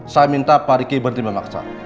saya minta pak ricky berhenti memaksa